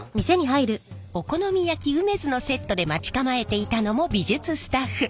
お好み焼きうめづのセットで待ち構えていたのも美術スタッフ。